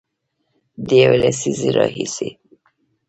د یوې لسیزې راهیسې